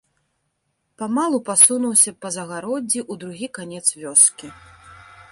Памалу пасунуўся па загароддзі ў другі канец вёскі.